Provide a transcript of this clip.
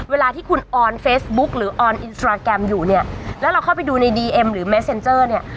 เวลาที่คุณออนเฟซบุ๊คหรือออนอินสตราแกรมอยู่เนี่ยแล้วเราเข้าไปดูในดีเอ็มหรือแมสเซ็นเจอร์เนี่ย